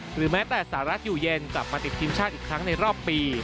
หรือแม้แต่สหรัฐอยู่เย็นกลับมาติดทีมชาติอีกครั้งในรอบปี